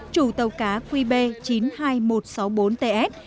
chủ tàu cá qb chín mươi hai nghìn một trăm sáu mươi bốn ts